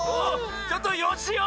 ちょっとよしお！